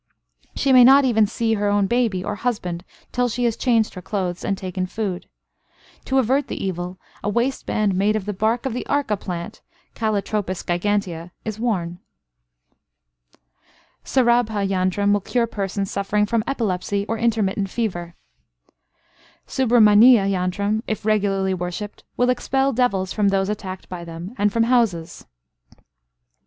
She may not even see her own baby or husband till she has changed her clothes, and taken food. To avert the evil, a waist band, made of the bark of the arka plant (Calotropis gigantea), is worn. Sarabha yantram will cure persons suffering from epilepsy or intermittent fever. Subramaniya yantram, if regularly worshipped, will expel devils from those attacked by them, and from houses.